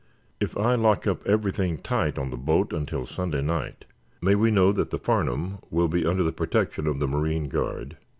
If I lock up everything tight on the boat until Sunday night, may we know that the 'Farnum' will be under the protection of the marine guard?"